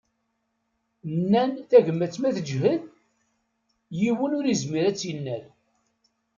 Nnan tagmat ma teǧhed, yiwen ur yezmir ad tt-yennal.